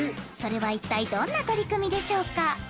それは一体どんな取り組みでしょうか？